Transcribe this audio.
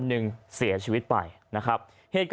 จังหวะเดี๋ยวจะให้ดูนะ